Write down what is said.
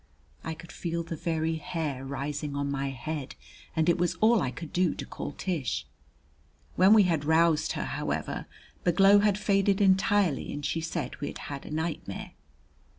I could feel the very hair rising on my head and it was all I could do to call Tish. When we had roused her, however, the glow had faded entirely and she said we had had a nightmare.